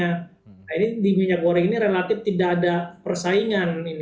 nah ini di minyak goreng ini relatif tidak ada persaingan